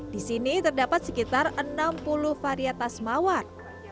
di sini terdapat sekitar enam puluh varietas mawar